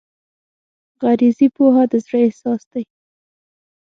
غریزي پوهه د زړه احساس دی.